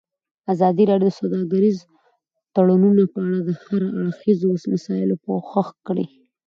ازادي راډیو د سوداګریز تړونونه په اړه د هر اړخیزو مسایلو پوښښ کړی.